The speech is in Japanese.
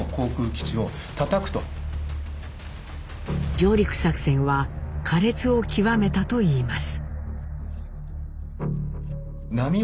上陸作戦は苛烈を極めたと言います。